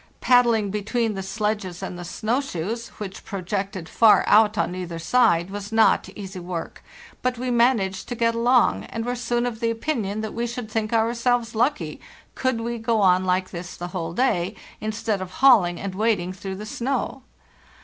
Paddling between the sledges and the snow shoes, which projected far out on either side, was not easy work; but we managed to get along, and were soon of the opinion that we should think ourselves lucky could we go on like this the whole day, instead of hauling and wading through the snow.